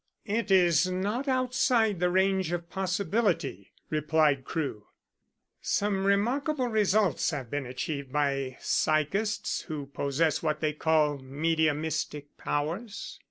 "It is not outside the range of possibility," replied Crewe. "Some remarkable results have been achieved by psychists who possess what they call mediumistic powers."